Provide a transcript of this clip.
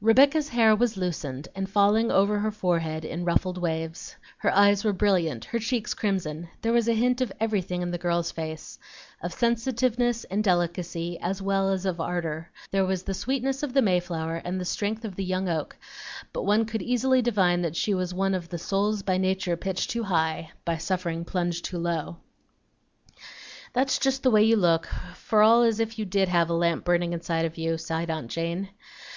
Rebecca's hair was loosened and falling over her forehead in ruffled waves; her eyes were brilliant, her cheeks crimson; there was a hint of everything in the girl's face, of sensitiveness and delicacy as well as of ardor; there was the sweetness of the mayflower and the strength of the young oak, but one could easily divine that she was one of "The souls by nature pitched too high, By suffering plunged too low." "That's just the way you look, for all the world as if you did have a lamp burning inside of you," sighed aunt Jane.